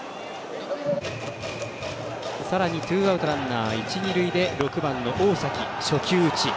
さらにツーアウト、ランナー一、二塁で６番の大崎、初球打ち。